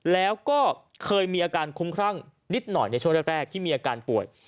แล้วก็เคยมีอาการคุ้มครั่งนิดหน่อยในช่วงแรกที่มีอาการป่วย